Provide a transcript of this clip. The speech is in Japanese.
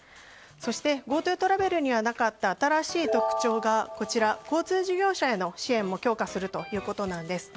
そして、ＧｏＴｏトラベルにはなかった新しい特徴として交通事業者への支援も強化するということなんです。